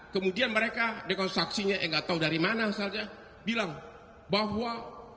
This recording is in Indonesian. kemudian mereka mereka saksinya yang tidak tahu dari mana saja bilang bahwa